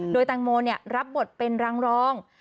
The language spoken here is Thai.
โดยแตงโมรับบทเป็นรางรอง